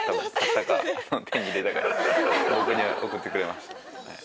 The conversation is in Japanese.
僕に送ってくれました。